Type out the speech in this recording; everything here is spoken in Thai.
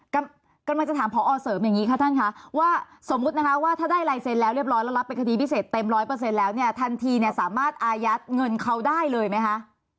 กำลังจะถามพอเสริมอย่างนี้ค่ะท่านคะว่าสมมุตินะคะว่าถ้าได้ลายเซ็นแล้วเรียบร้อยแล้วรับเป็นคดีพิเศษเต็มร้อยเปอร์เซ็นต์แล้วเนี่ยทันทีเนี่ยสามารถอายัดเงินเขาได้เลยไหมคะ